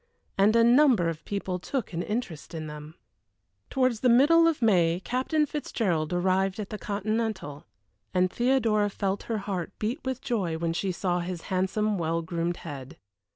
And a number of people took an interest in them. Towards the middle of May Captain Fitzgerald arrived at the Continental, and Theodora felt her heart beat with joy when she saw his handsome, well groomed head.